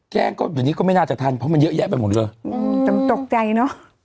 แช่งก็ในนี้ก็ไม่น่าจะทันเพราะมันเยอะแยะไปหมดเลยอืมจำตกใจเนอะ